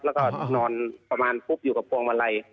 แล้วก็นอนประมาณปุ๊บอยู่กับพวงมาลัย